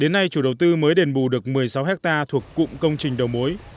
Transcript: đến nay chủ đầu tư mới đền bù được một mươi sáu hectare thuộc cụm công trình đầu mối